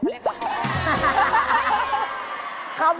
เขาเรียกว่าเข้ากล้อง